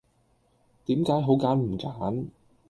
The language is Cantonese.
點解好揀唔揀